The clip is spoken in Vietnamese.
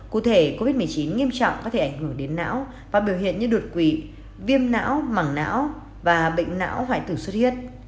cụ thể covid một mươi chín nghiêm trọng có thể ảnh hưởng đến não và biểu hiện như đột quỵ viêm não mẳng não và bệnh não hoại tử xuất huyết